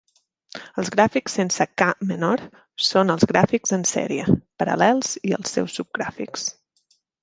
Els gràfics sense "K" menor són els gràfics en sèrie-paral·lels i els seus subgràfics.